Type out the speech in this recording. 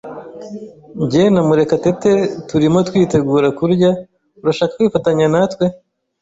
Jye na Murekatete turimo kwitegura kurya. Urashaka kwifatanya natwe?